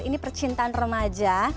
ini percintaan remaja